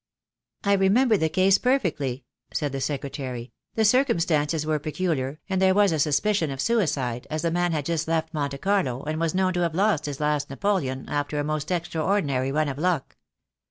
"I remember the case perfectly," said the secretary. "The circumstances were peculiar, and there was a sus picion of suicide, as the man had just left Monte Carlo, and was known to have lost his last napoleon, after a most extraordinary run of luck.